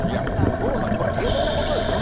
五郎さん、これは当然のことですよね。